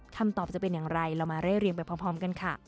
คำตอบจะเป็นอย่างไรเรามาไล่เรียงไปพร้อมกันค่ะ